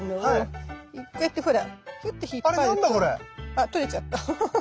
あっ取れちゃった。